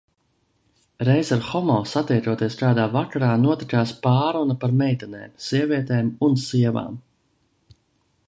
Reiz ar Homo, satiekoties kādā vakarā, notikās pārruna par meitenēm, sievietēm un sievām.